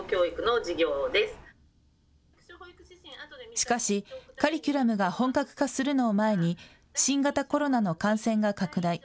しかし、カリキュラムが本格化するのを前に新型コロナの感染が拡大。